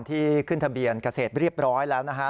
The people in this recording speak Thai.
ที่ขึ้นทะเบียนเกษตรเรียบร้อยแล้วนะฮะ